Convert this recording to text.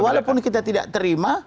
walaupun kita tidak terima